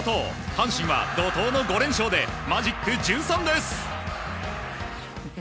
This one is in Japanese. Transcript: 阪神は怒涛の５連勝でマジック１３です。